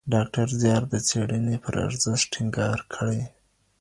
ډاکټر زیار د څېړني پر ارزښت ټینګار کړی.